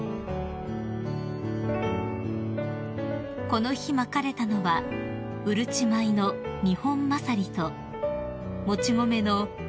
［この日まかれたのはうるち米のニホンマサリともち米のマンゲツモチの２品種］